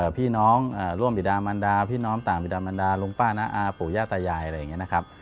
พี่น้องร่วมบิดามันดาพี่น้องต่างบิดามันดาลุงป้าน้าอาปู่ย่าตายายอะไรอย่างนี้นะครับ